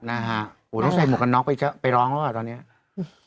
นะฮะต้องใส่หมวกกันน็อกไปร้องแล้วอ่ะตอนนี้ต้องเซฟด้วย